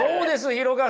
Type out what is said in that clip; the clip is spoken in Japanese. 廣川さん。